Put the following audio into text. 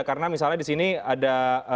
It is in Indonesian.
karena misalnya di sini ada